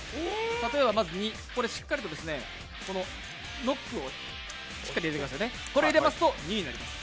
例えば２、しっかりとロックをつけてくださいね、これを入れますと２になります。